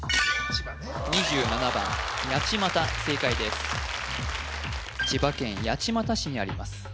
千葉県八街市にあります